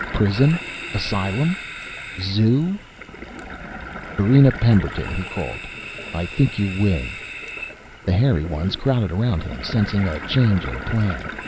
Prison? Asylum? Zoo?... "Varina Pemberton," he called, "I think you win." The hairy ones crowded around him, sensing a change in plan.